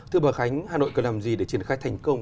thưa bà khánh hà nội cần làm gì để triển khai thành công